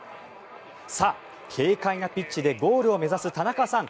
さあ、軽快なピッチでゴールを目指す田中さん。